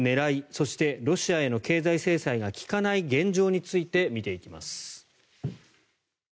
そして、ロシアへの経済制裁が効かない現状について見ていきます。